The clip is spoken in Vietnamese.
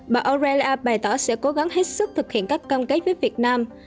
bà aurelia bày tỏ sẽ cố gắng hết sức thực hiện các cam kết với việt nam